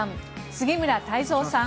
杉村太蔵さん